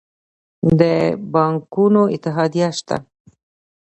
د بانکونو اتحادیه شته؟